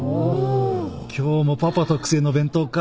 今日もパパ特製の弁当か。